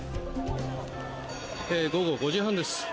午後５時半です。